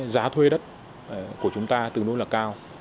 giá thuê đất của chúng ta tương đối là cao